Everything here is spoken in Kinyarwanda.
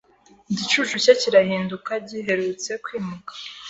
Igicucu cye kirahinduka giherutse kwimuka